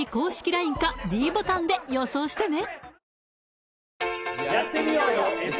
ＬＩＮＥかｄボタンで予想してね